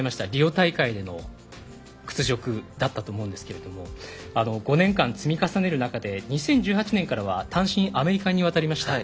大会での屈辱だったと思うんですけれども５年間積み重ねる中で２０１８年からは単身アメリカに渡りました。